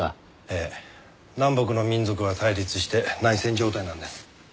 ええ南北の民族が対立して内戦状態なんです。